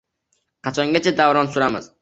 Qachongacha davron suramiz?